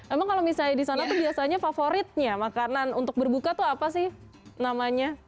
emang kalau misalnya di sana tuh biasanya favoritnya makanan untuk berbuka tuh apa sih namanya